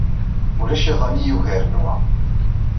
Ulac iḍan ay yugaren wa.